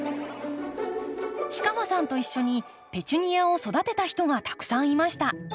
氷川さんと一緒にペチュニアを育てた人がたくさんいました。